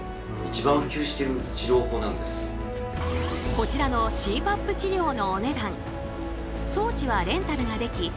こちらのＣＰＡＰ治療のお値段装置はレンタルができ保険適用ＯＫ。